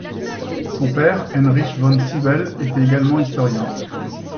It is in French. Son père, Heinrich von Sybel, était également historien.